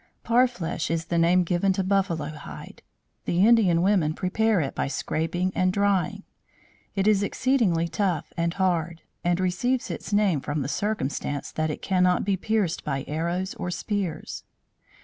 Parfleche is the name given to buffalo hide. The Indian women prepare it by scraping and drying. It is exceedingly tough and hard, and receives its name from the circumstance that it cannot be pierced by arrows or spears.